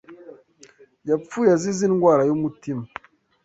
Yapfuye azize indwara y’umutima